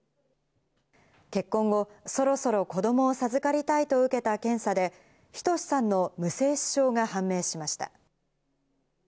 結婚後、そろそろ子どもを授かりたいと受けた検査で、仁史さんの無精子症が判明しました。